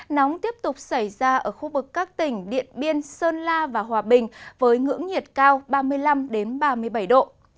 nóng tiếp tục xảy ra ở khu vực các tỉnh điện biên sơn la và hòa bình với ngưỡng nhiệt cao ba mươi năm ba mươi bảy độ